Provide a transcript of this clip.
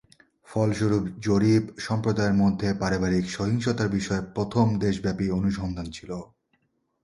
ফলস্বরূপ জরিপ, সম্প্রদায়ের মধ্যে পারিবারিক সহিংসতার বিষয়ে প্রথম দেশব্যাপী অনুসন্ধান ছিল।